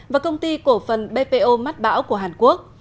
và công ty cổ phần bpo mắt bão của hàn quốc